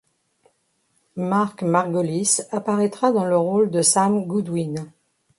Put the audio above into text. Mark Margolis apparaîtra dans le rôle de Sam Goodwin.